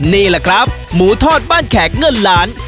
นี่แหละครับหมูทอดบ้านแขกเงินล้าน